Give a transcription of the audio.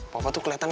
papa tuh keletar